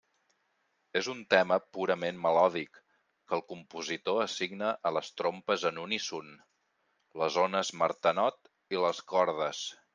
És un tema purament melòdic, que el compositor assigna a les trompes en uníson, les ones Martenot i les cordes.